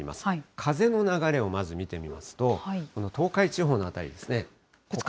風の流れをまず見てみますと、この東海地方の辺りですね。